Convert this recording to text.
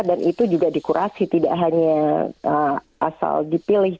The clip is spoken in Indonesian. itu juga dikurasi tidak hanya asal dipilih